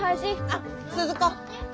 あっ鈴子。